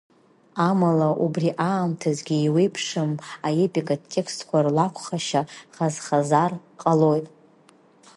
Амала убри аамҭазгьы еиуеиԥшым аепикатә текстқәа рлакәхашьа хаз-хазхар ҟалоит.